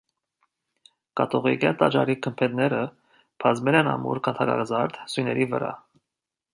Կաթողիկե տաճարի գմբեթները բազմել են ամուր քանդակազարդ սյուների վրա։